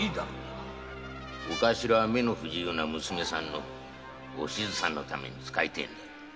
おカシラは目の不自由な娘さんのお静さんのために遣いてえんだ。